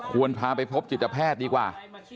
พาไปพบจิตแพทย์ดีกว่า